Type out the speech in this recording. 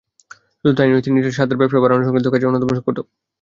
শুধু তা-ই নয়, তিনি ছিলেন সারদার ব্যবসা বাড়ানোসংক্রান্ত কাজের অন্যতম সংগঠক।